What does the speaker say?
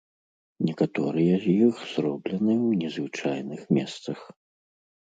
Некаторыя з іх зроблены ў незвычайных месцах.